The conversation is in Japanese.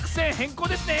こうですね！